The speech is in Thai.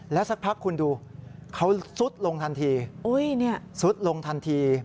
สักพักคุณดูเขาซุดลงทันทีซุดลงทันที